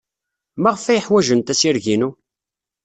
Maɣef ay ḥwajent assireg-inu?